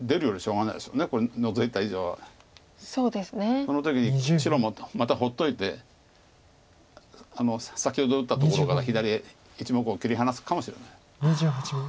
その時に白もまた放っといて先ほど打ったところから左へ１目を切り離すかもしれない。